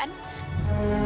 kamu gak apa apakan